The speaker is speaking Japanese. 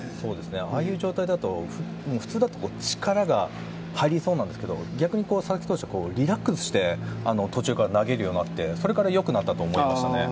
ああいう状態だと普通だと力が入りそうなんですけど逆に佐々木投手はリラックスして途中から投げるようになってそれから良くなったと思いましたね。